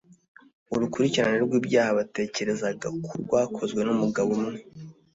urukurikirane rw'ibyaha batekerezaga ko rwakozwe n'umugabo umwe